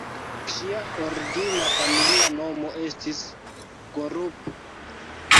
Ŝia origina familia nomo estis "Gorup".